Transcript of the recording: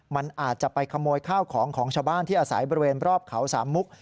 มันอาจจะไปขโมยข้าวของของชาวบ้านที่อาศัยบริเวณรอบเขาสามมุก